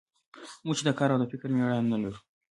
موږ چې د کار او د فکر مېړانه نه لرو.